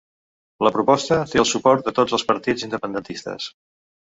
La proposta té el suport de tots els partits independentistes